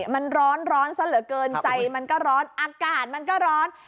มันร้อนซะเหลือเกินใจมันก็ร้อนอากาศมันก็ร้อน